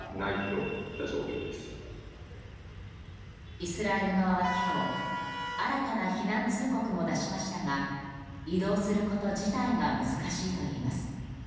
イスラエル側は今日新たな避難通告も出しましたが移動すること自体が難しいといいます。